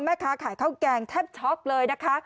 แม่ค้าขายข้าวแกงแทบช็อกเลยนะคะ